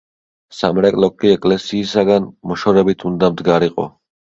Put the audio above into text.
სამრეკლო კი ეკლესიისაგან მოშორებით უნდა მდგარიყო.